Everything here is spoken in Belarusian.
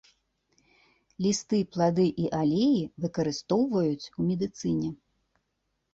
Лісты, плады і алей выкарыстоўваюць у медыцыне.